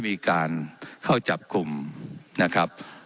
ว่าการกระทรวงบาทไทยนะครับ